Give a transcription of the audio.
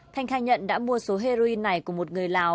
thanh khai nhận đã mua số heroin này của một người lào